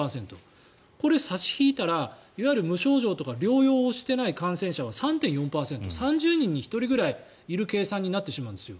これ、差し引いたらいわゆる無症状とか療養していない感染者は３．４％、３０人に１人くらいいる計算になってしまうんです。